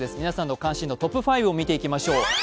皆さんの関心度トップ５を見ていきましょう。